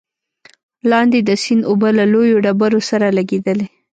لاندې د سيند اوبه له لويو ډبرو سره لګېدلې،